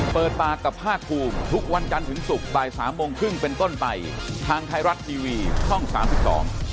เปิดปากกับภาคภูมิทุกวันจันทร์ถึงศุกร์บ่ายสามโมงครึ่งเป็นต้นไปทางไทยรัฐทีวีช่องสามสิบสอง